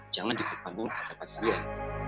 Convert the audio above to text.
jangan dikepangkan pada pasien